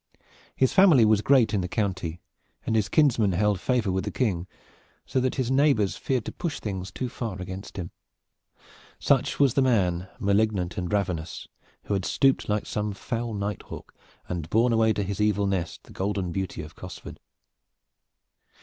His family was great in the county, and his kinsmen held favor with the King, so that his neighbors feared to push things too far against him. Such was the man, malignant and ravenous, who had stooped like some foul night hawk and borne away to his evil nest the golden beauty of Cosford.